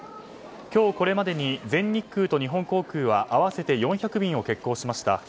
今日これまでに全日空と日本航空は合わせて４００便を欠航しました。